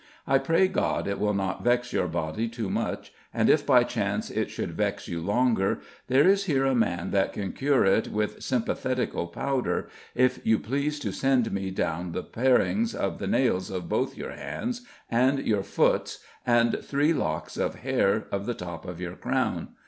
I pray God it will not vex your body too much; and if by chance it should vex you longer, there is here a man that can cure it with simpathetical powder, if you please to send me down the pearinghs of the nailes of both your hands and your foots, and three locks of hair of the top of your crown.